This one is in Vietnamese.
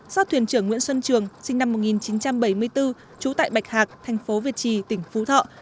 do thuyền trưởng nguyễn xuân trường sinh năm một nghìn chín trăm bảy mươi bốn trú tại bạch hạc thành phố việt trì tỉnh phú thọ